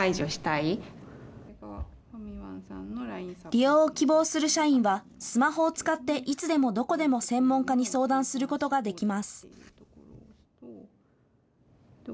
利用を希望する社員はスマホを使っていつでもどこでも専門家に相談することができます。